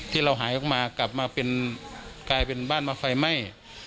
ที่เราหายออกมากลายเป็นบ้านมาไฟไหม้